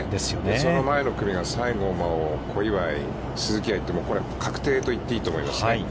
その前の組が西郷真央、小祝、鈴木愛って、確定と言っていいと思いますね。